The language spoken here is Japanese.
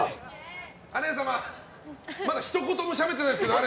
アレン様、まだひと言もしゃべってないですけど。